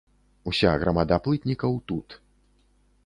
Уся грамада плытнікаў тут.